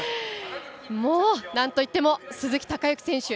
なんといっても鈴木孝幸選手。